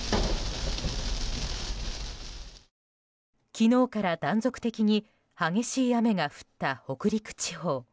昨日から断続的に激しい雨が降った北陸地方。